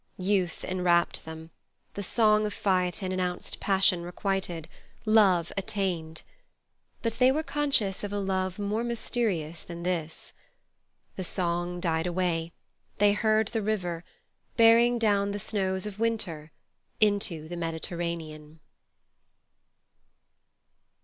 Youth enwrapped them; the song of Phaethon announced passion requited, love attained. But they were conscious of a love more mysterious than this. The song died away; they heard the river, bearing down the snows of winter into the Mediterranean.